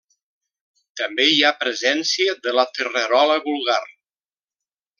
També hi ha presència de la terrerola vulgar.